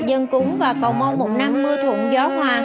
dân cúng và cầu bông một năm mưa thuận gió hoa